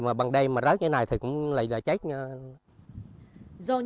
mà bằng đêm mà rớt như thế này thì cũng lại là chết